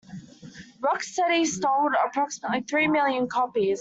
"Rock Steady" sold approximately three million copies.